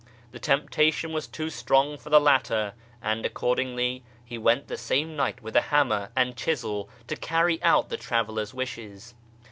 The temptation was too strong for the latter, and accordingly he went the same night with a hammer and chisel to carry out the traveller's M ishes.